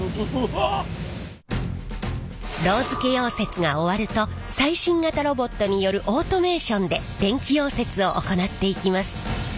ロウ付け溶接が終わると最新型ロボットによるオートメーションで電気溶接を行っていきます。